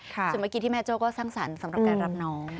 ส่วนเมื่อกี้ที่แม่โจ้ก็สร้างสรรค์สำหรับการรับน้อง